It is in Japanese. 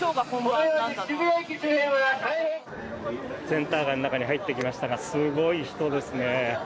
センター街の中に入ってきましたがすごい人ですね。